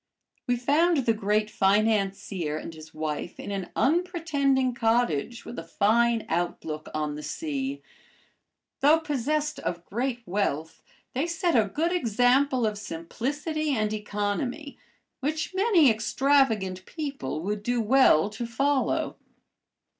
We found the great financier and his wife in an unpretending cottage with a fine outlook on the sea. Though possessed of great wealth they set a good example of simplicity and economy, which many extravagant people would do well to follow.